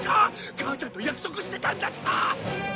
母ちゃんと約束してたんだった！